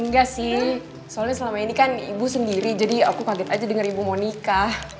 enggak sih soalnya selama ini kan ibu sendiri jadi aku kaget aja dengar ibu mau nikah